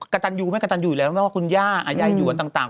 กระตันยูคุณแม่กระตันยูอีกแล้วไม่ว่าคุณย่าอายายอยู่ต่าง